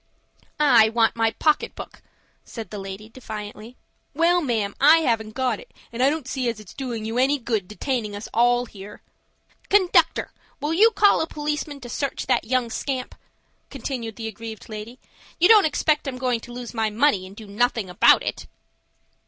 "I want my pocket book," said the lady, defiantly. "Well, ma'am, I haven't got it, and I don't see as it's doing you any good detaining us all here." "Conductor, will you call a policeman to search that young scamp?" continued the aggrieved lady. "You don't expect I'm going to lose my money, and do nothing about it."